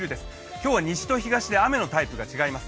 今日は西と東で雨のタイプが違います。